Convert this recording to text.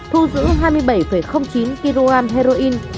thu giữ hai mươi bảy chín kg heroin